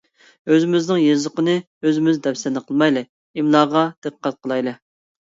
ئۆزىمىزنىڭ يېزىقىنى ئۆزىمىز دەپسەندە قىلمايلى! ئىملاغا دىققەت قىلايلى!